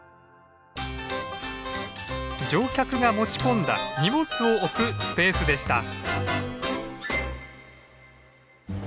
乗客が持ち込んだ荷物を置くスペースでした。